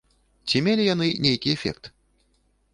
Ці мелі яны нейкі эфект?